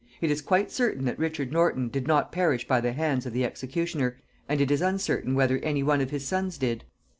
It is quite certain that Richard Norton did not perish by the hands of the executioner, and it is uncertain whether any one of his sons did.